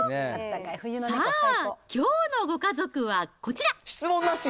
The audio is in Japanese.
さあ、きょうのご家族はこちら。